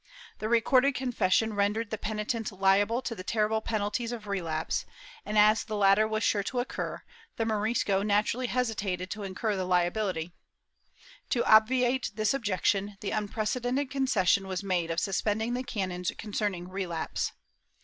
The recorded confession rendered the penitent liable to the terrible penalties of relapse and, as the latter was sure to occur, the Morisco naturally hesitated to incur the Hability. To obviate this objec tion, the unprecedented concession was made of suspending the canons concerning relapse.